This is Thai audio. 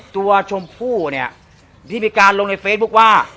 ชมพู่เนี่ยที่มีการลงในเฟซบุ๊คว่า